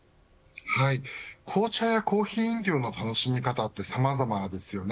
紅茶やコーヒー飲料の楽しみ方はさまざまですよね。